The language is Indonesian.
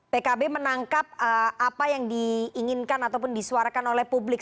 pkb menangkap apa yang diinginkan ataupun disuarakan oleh publik